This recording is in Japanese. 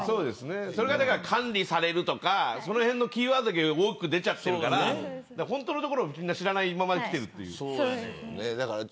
それが管理されるとかそのへんのキーワードが大きく出ちゃってるから本当のところはみんな知らないまま来てる。